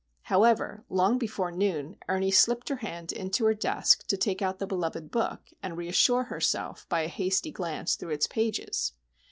However, long before noon, Ernie slipped her hand into her desk to take out the beloved book, and reassure herself by a hasty glance through its pages.